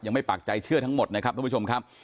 ไม่ปากใจเชื่อทั้งหมดนะครับทุกผู้ชมครับ